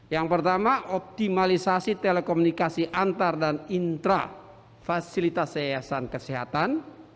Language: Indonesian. yang pertama optimalisasi telekomunikasi antar dan intra fasilitas yayasan kesehatan